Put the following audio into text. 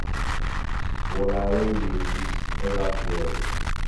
Seg Fuṛaṛ ur yulis ad aɣ-d-yaru.